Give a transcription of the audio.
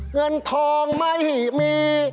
เงินทองไม่มี